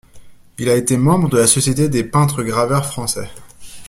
Il a été membre de la Société des peintres-graveurs français.